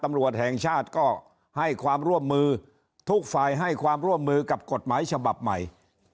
ตำรวจแห่งชาติก็ให้ความร่วมมือทุกฝ่ายให้ความร่วมมือกับกฎหมายฉบับใหม่